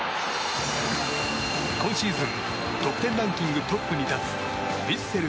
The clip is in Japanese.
今シーズン得点ランキングトップに立つヴィッセル